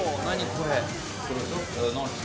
これ。